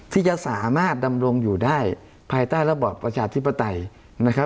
ที่จะสามารถดำรงอยู่ได้ภายใต้ระบอบประชาธิปไตยนะครับ